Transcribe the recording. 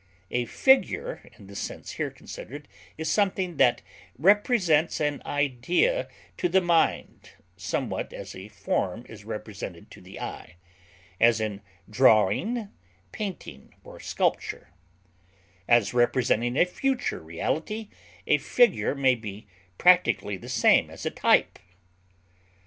A figure in the sense here considered is something that represents an idea to the mind somewhat as a form is represented to the eye, as in drawing, painting, or sculpture; as representing a future reality, a figure may be practically the same as a type.